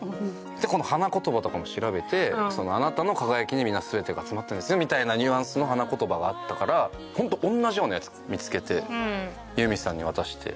この花言葉とかも調べてあなたの輝きに全てが集まってるんですよみたいなニュアンスの花言葉があったからホント同じようなやつ見つけてユーミンさんに渡して。